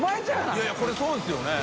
いやいやこれそうですよね？